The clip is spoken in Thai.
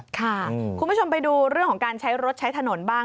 คุณผู้ชมไปดูเรื่องของการใช้รถใช้ถนนบ้าง